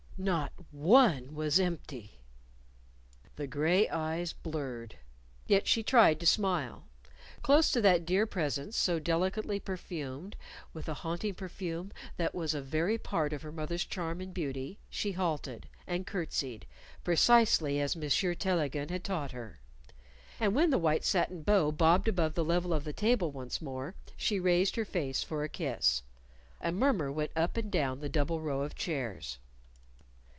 Not one was empty! The gray eyes blurred. Yet she tried to smile. Close to that dear presence, so delicately perfumed (with a haunting perfume that was a very part of her mother's charm and beauty) she halted; and curtsied precisely as Monsieur Tellegen had taught her. And when the white satin bow bobbed above the level of the table once more, she raised her face for a kiss. A murmur went up and down the double row of chairs.